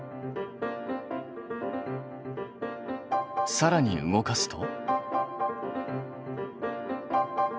さらに動かすと？